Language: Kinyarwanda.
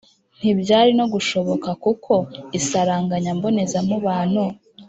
ntibyari no gushoboka kuko isaranganya mboneza mubano